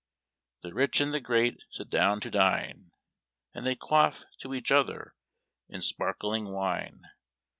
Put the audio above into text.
The rich and the great sit down to dine, And they quaff to each other in sparkling wine.